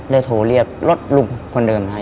แล้วโทรเรียกรถลุงคนเดิมนะฮะ